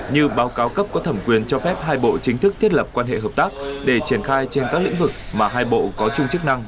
như báo cáo cấp có thẩm quyền cho phép hai bộ chính thức thiết lập quan hệ hợp tác để triển khai trên các lĩnh vực mà hai bộ có chung chức năng